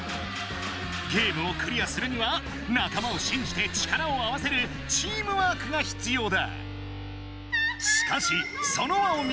ゲームをクリアするには仲間を信じて力を合わせるチームワークが必要だ。